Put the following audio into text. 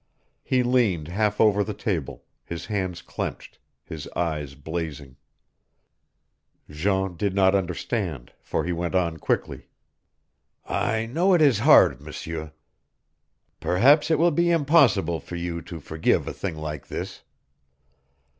He leaned half over the table, his hands clenched, his eyes blazing. Jean did not understand, for he went on quickly. "I know it is hard, M'seur. Perhaps it will be impossible for you to forgive a thing like this.